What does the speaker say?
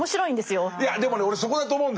いやでもね俺そこだと思うんだよね。